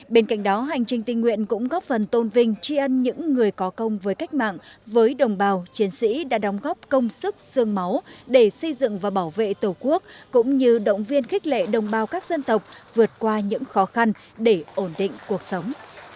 bên cạnh đó hành trình tình nguyện cũng góp phần tôn vinh tri ân những người có công với cách mạng với đồng bào chiến sĩ đã đóng góp công sức sương máu để xây dựng và bảo vệ tổ quốc cũng như động viên khích lệ đồng bào các dân tộc vượt qua những khó khăn để ổn định cuộc sống